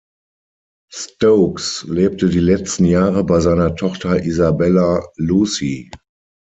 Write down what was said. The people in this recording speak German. Stokes lebte die letzten Jahre bei seiner Tochter Isabella Lucy.